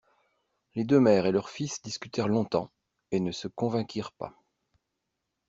Les deux mères et leurs fils discutèrent longtemps, et ne se convainquirent pas.